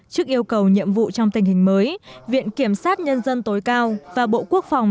trước yêu cầu nhiệm vụ trong tình hình mới viện kiểm sát nhân dân tối cao và bộ quốc phòng